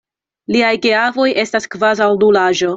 Liaj geavoj estas kvazaŭ nulaĵo.